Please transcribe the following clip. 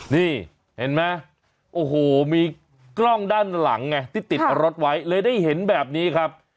นี่เห็นไหมโอ้โหมีกล้องด้านหลังไงที่ติดรถไว้เลยได้เห็นแบบนี้ครับ